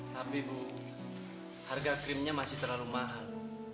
tapi bu harga krimnya masih terlalu mahal